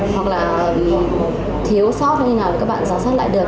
hoặc là thiếu xót hay nào thì các bạn giả sát lại được